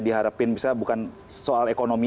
diharapin misalnya bukan soal ekonomi